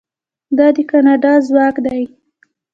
دا د کاناډا ځواک دی.